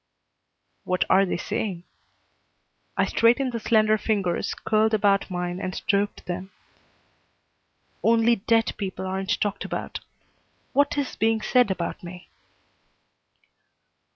"What are they saying?" I straightened the slender fingers curled about mine and stroked them. "Only dead people aren't talked about. What is being said about me?"